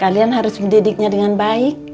kalian harus mendidiknya dengan baik